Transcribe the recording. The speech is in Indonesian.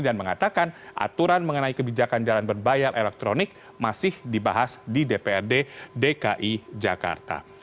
dan mengatakan aturan mengenai kebijakan jalan berbayar elektronik masih dibahas di dprd dki jakarta